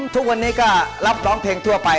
ทุกวันนี้ก็รับร้องเพลงทั่วไป